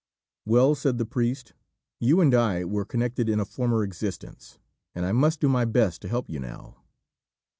"Well," said the priest, "you and I were connected in a former existence, and I must do my best to help you now."